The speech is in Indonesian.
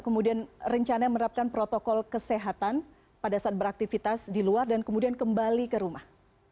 kemudian rencana menerapkan protokol kesehatan pada saat beraktivitas di luar dan kemudian kembali ke rumah